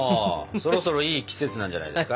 そろそろいい季節なんじゃないですか？